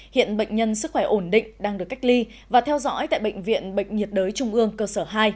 hiện bệnh nhân sức khỏe ổn định đang được cách ly và theo dõi tại bệnh viện bệnh nhiệt đới trung ương cơ sở hai